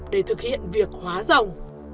để thực hiện việc hóa rồng